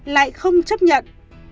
lại không chấp nhận